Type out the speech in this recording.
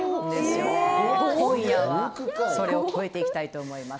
今夜はそれを超えていきたいです。